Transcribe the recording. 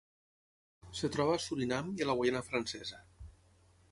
Es troba a Surinam i a la Guaiana Francesa.